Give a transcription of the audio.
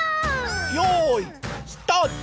よういスタート。